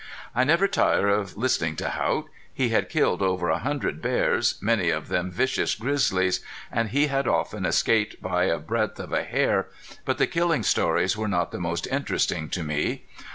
I never tired of listening to Haught. He had killed over a hundred bears, many of them vicious grizzlies, and he had often escaped by a breadth of a hair, but the killing stories were not the most interesting to me.